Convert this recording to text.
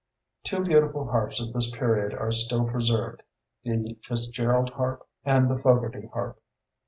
Two beautiful harps of this period are still preserved the Fitzgerald Harp and the Fogarty Harp.